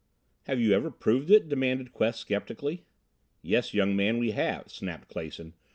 "Have you ever proved it?" demanded Quest skeptically. "Yes, young man, we have," snapped Clason.